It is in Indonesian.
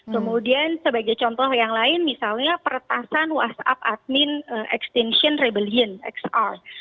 kemudian sebagai contoh yang lain misalnya peretasan whatsapp admin extension rebeliance xr